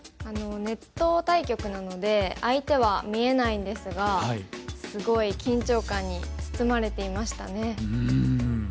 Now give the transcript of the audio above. ネット対局なので相手は見えないんですがすごい緊張感に包まれていましたね。